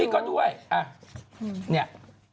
ก็ด้วยเนี่ย